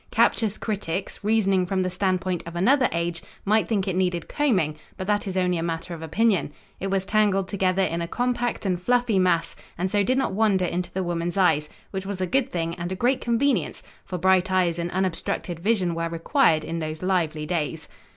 Captious critics, reasoning from the standpoint of another age, might think it needed combing, but that is only a matter of opinion. It was tangled together in a compact and fluffy mass, and so did not wander into the woman's eyes, which was a good thing and a great convenience, for bright eyes and unobstructed vision were required in those lively days.